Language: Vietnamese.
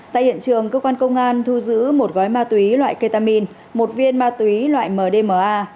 tại hiện trường cơ quan công an thu giữ một gói ma túy loại ketamin một viên ma túy loại mdma